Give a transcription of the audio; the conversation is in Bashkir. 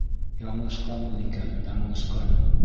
Яңылышҡанмын икән, яңылышҡан.